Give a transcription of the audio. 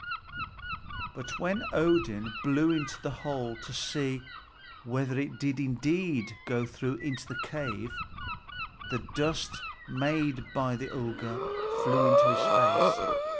But when Odin blew into the hole to see whether it did indeed go through into the cave, the dust made by the auger flew into his face.